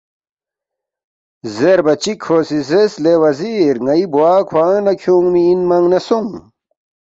زیربا چِک کھو سی زیرس، ”لے وزیر ن٘ئی بوا کھوانگ لہ کھیونگمی اِنمنگ نہ سونگ